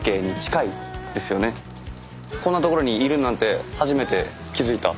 こんな所にいるなんて初めて気付いた。